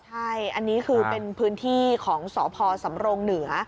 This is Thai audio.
ใช่อันนี้เป็นพื้นที่ของสภสรบเหนือ